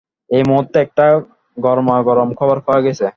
এই মূহুর্তে একটা গরমা-গরম খবর পাওয়া গেছে।